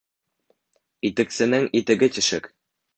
Итексенең итеге тишек